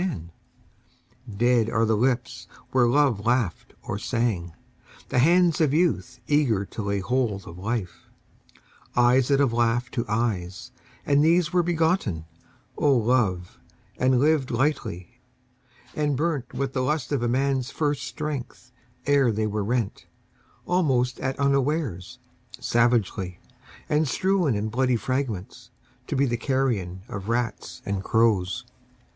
POETS MILITANT 271 Dead are the lips where love laughed or sang, The hands of youth eager to lay hold of life, Eyes that have laughed to eyes, And these were begotten, O Love, and lived lightly, and burnt With the lust of a man's first strength : ere they were rent, Almost at unawares, savagely ; and strewn In bloody fragments, to be the carrion Of rats and crows.